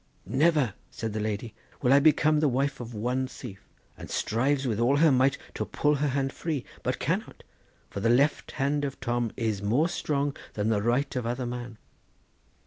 'Never,' said the lady, 'will I become the wife of one thief,' and strives with all her might to pull her hand free, but cannot, for the left hand of Tom is more strong than the right of other man.